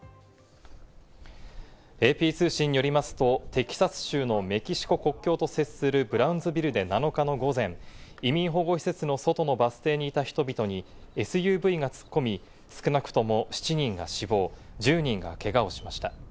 ＡＰ通信によりますとテキサス州のメキシコ国境と接するブラウンズビルで７日の午前、移民保護施設の外のバス停にいた人々にＳＵＶが突っ込み、少なくとも７人が死亡、１０人がけがをしました。